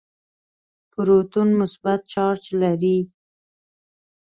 پروتون مثبت چارج لري.